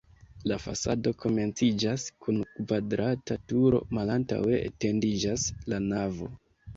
La fasado komenciĝas kun kvadrata turo, malantaŭe etendiĝas la navo.